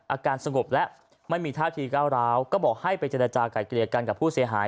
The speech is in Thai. อาการสงบแล้วไม่มีท่าทีก้าวร้าวก็บอกให้ไปเจรจาก่ายเกลี่ยกันกับผู้เสียหาย